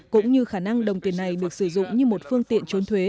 cũng như khả năng đồng tiền này được sử dụng như một phương tiện trốn thuế